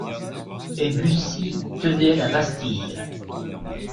Et Bussy tenait la Bastille.